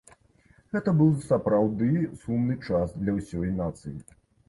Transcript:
Гэта быў сапраўды сумны час для ўсёй нацыі.